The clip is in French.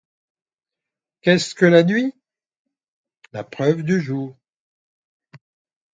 Qu’est-ce que la nuit ? la preuve du jour.